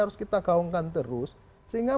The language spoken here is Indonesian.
harus kita gaungkan terus sehingga